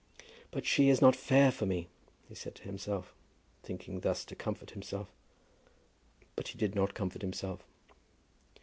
"But she is not fair for me," he said to himself, thinking thus to comfort himself. But he did not comfort himself.